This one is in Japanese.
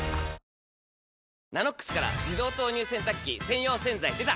「ＮＡＮＯＸ」から自動投入洗濯機専用洗剤でた！